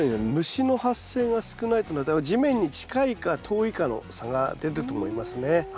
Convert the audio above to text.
虫の発生が少ないというのは地面に近いか遠いかの差が出ると思いますね。